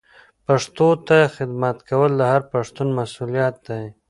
پښتو ته خدمت کول د هر پښتون مسولیت دی.